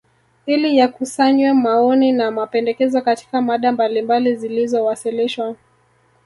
ili yakusanywe maoni na mapendekezo Katika mada mbalimbali zilizowasilishwa